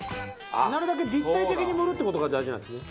なるだけ立体的に盛るって事が大事なんですね。